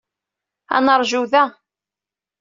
Ad neṛju da.